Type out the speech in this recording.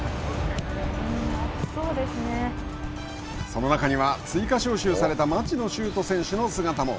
その中には、追加招集された町野修斗選手の姿も。